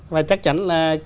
và chắc chắn là